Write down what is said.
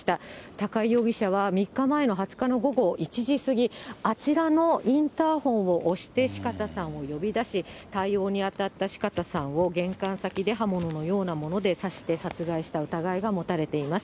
高井容疑者は、３日前の２０日の午後１時過ぎ、あちらのインターフォンを押して四方さんを呼び出し、対応に当たった四方さんを玄関先で刃物のようなもので刺して殺害した疑いが持たれています。